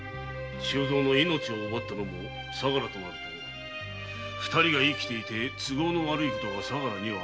周蔵の命を奪ったのも相良だとなると二人が生きてて都合の悪いことが相良にはあるというわけか。